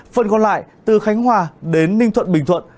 phần còn lại từ khánh hòa đến ninh thuận bình thuận